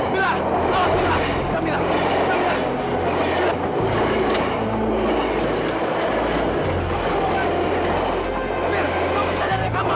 mila kamu sadarnya kamu kamu membuahkan diri kamu